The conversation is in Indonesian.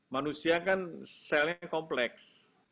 manusia kan selnya kompleks